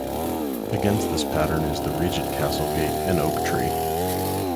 Against this pattern is the Reigate Castle Gate and oak tree.